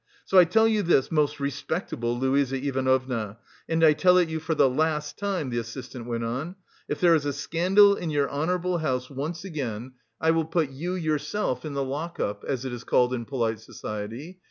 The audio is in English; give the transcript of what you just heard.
"... So I tell you this, most respectable Luise Ivanovna, and I tell it you for the last time," the assistant went on. "If there is a scandal in your honourable house once again, I will put you yourself in the lock up, as it is called in polite society.